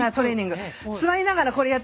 座りながらこれやってください。